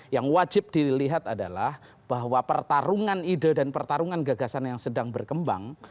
yang wajib dilihat adalah bahwa pertarungan ide dan pertarungan gagasan yang sedang berkembang